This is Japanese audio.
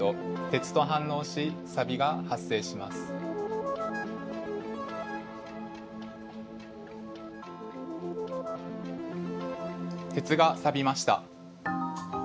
鉄がさびました。